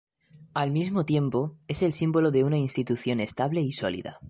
Al mismo tiempo, es el símbolo de una institución estable y sólida.